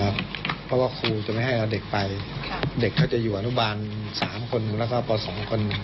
เพราะว่าครูจะไม่ให้เอาเด็กไปเด็กเขาจะอยู่อนุบาลสามคนแล้วก็พอสองคน